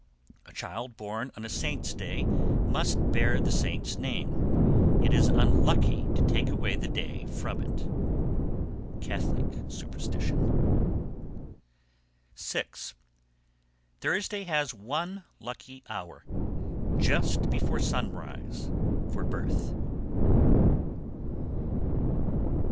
A child born on a saint's day must bear the saint's name. It is unlucky to take away the day from it. Catholic superstition. 6. Thursday has one lucky hour, just before sunrise, for birth.